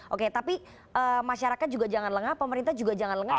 oke tapi masyarakat juga jangan lengah pemerintah juga jangan lengah